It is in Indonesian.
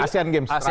asean games terakhir